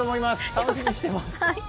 楽しみにしてます。